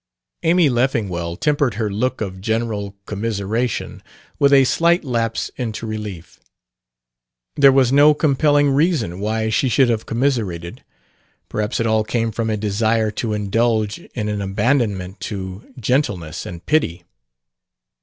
Amy Leffingwell tempered her look of general commiseration with a slight lapse into relief. There was no compelling reason why she should have commiserated; perhaps it all came from a desire to indulge in an abandonment to gentleness and pity.